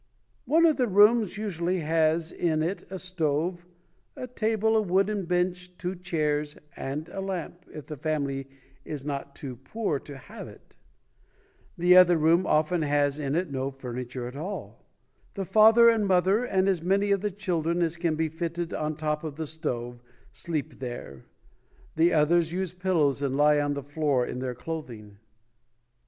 One of the rooms usually has in it a stove, a table, a wooden bench, two chairs, and a lamp, if the family is not too poor to have it. The other room often has in it no furniture at all. The father and mother and as many of the chil dren as can be fitted on top of the stove, sleep there. The others use pillows and lie on the floor in their clothing".